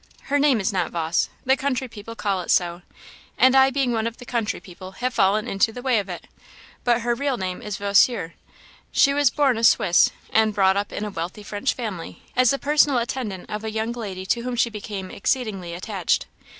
Her name is not Vawse the country people call it so, and I being one of the country people have fallen into the way of it; but her real name is Vosier. She was born a Swiss, and brought up in a wealthy French family, as the personal attendant of a young lady to whom she became exceedingly attached.